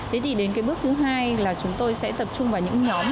thế thì đến cái bước thứ hai là chúng tôi sẽ tập trung vào những nhóm